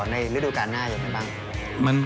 ในฤดูกาลหน้าอย่างนี้บ้าง